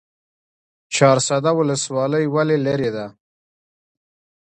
چهارسده ولسوالۍ ولې لیرې ده؟